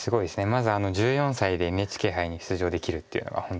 まず１４歳でＮＨＫ杯に出場できるっていうのが本当に。